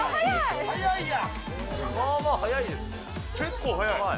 結構、速い。